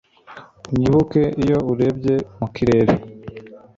unyibuke iyo urebye mu kirere